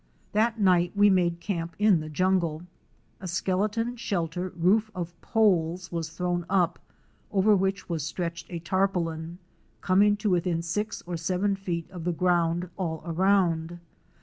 That night we made camp in the jungle. A_ skeleton shelter roof of poles was thrown up, over which was stretched a tarpaulin, coming to within six or seven feet of the ground all around.